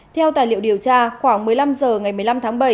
theo tài liệu điều tra khoảng một mươi năm h ngày một mươi năm tháng bảy